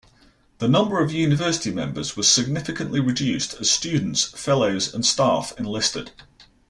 The number of University members was significantly reduced as students, fellows and staff enlisted.